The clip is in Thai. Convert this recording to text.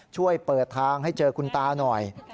ช่วยเปิดทางให้เจอคุณตาหน่อย